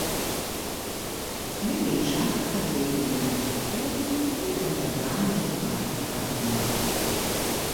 Гэта і час, адведзены на падрыхтоўку, і падабраныя спарынг-партнёры.